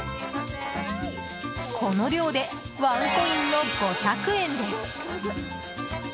この量でワンコインの５００円です。